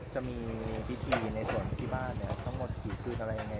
จะมีพิธีในส่วนที่บ้านทั้งหมดกี่คืนอะไรยังไง